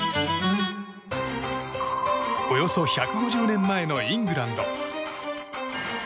およそ１５０年前のイングランド。